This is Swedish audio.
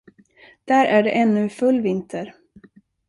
Där är det ännu full vinter.